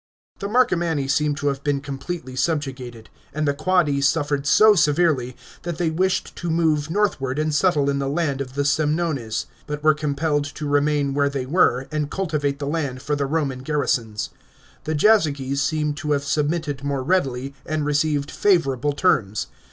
The Marcomanni seem to have been completely subjugated ; and the Quadi suffered so severely that they wished to move northward and settle in the land of the Semnones, but were compelled to remain where they were and cultivate the land for the Roman garri>ons. The lazyges seem to have submitted more readily, and received favourable terms.